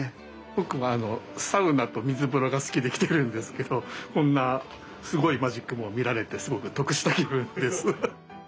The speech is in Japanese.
僕はサウナと水風呂が好きで来てるんですけどこんなすごいマジックも見られてすごく得した気分です。